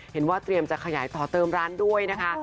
เห็นว่าเตรียมจะขยายต่อเติมร้านด้วยนะคะ